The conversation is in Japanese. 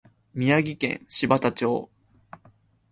宮城県柴田町